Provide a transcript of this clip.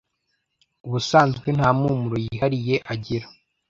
ubusanzwe nta mpumuro yihariye agira